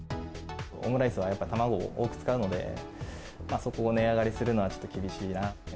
オムライスはやっぱ、卵を多く使うので、そこを値上がりするのは、ちょっと厳しいなって。